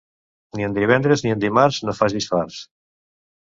Ni en divendres ni en dimarts no facis farts.